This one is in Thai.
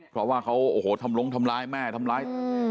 เพราะว่าเขาโอ้โหทำลงทำร้ายแม่ทำร้าย